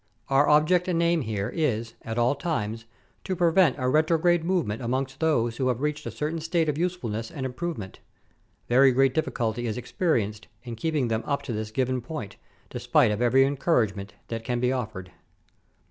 Our object and aim here is, at all times, to prevent a retrograde movement amongst those who have reached a certain state of usefulness and improvement. Very great difficulty is experienced in keeping them up to this given point, despite of every encouragement that can be offered.